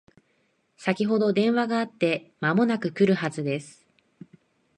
先ほど電話があって間もなく来るはずです